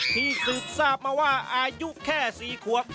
สืบทราบมาว่าอายุแค่๔ขวบ